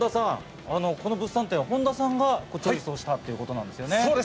この物産展、本田さんがチョイスしたということですね。